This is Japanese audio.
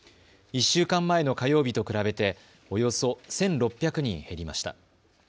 １週間前の火曜日と比べておよそ１６００人減りました。